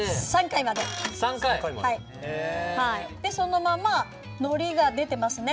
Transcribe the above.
３回！でそのままのりが出てますね。